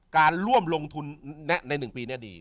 การร่วมลงทุนใน๑ปีนี้ดี